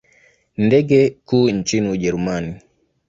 Ni ndege kuu nchini Ujerumani.